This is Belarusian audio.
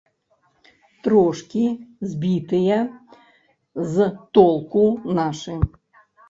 Трошкі збітыя з толку нашы.